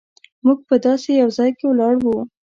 موږ په داسې یو ځای کې ولاړ وو.